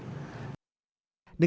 dengan masih tinggi penurunan kasus